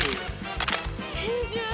拳銃！